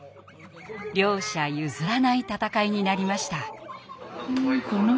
両者譲らない戦いになりました。